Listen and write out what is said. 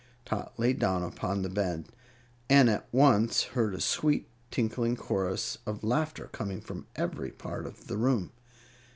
Tot lay down upon the bed, and at once heard a sweet, tinkling chorus of laughter coming from every part of the room.